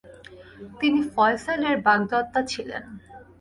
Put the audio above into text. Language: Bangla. তিনি ফয়সালের বাগদত্তা ছিলেন।